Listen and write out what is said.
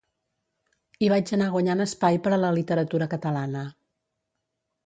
I vaig anar guanyant espai per a la literatura catalana.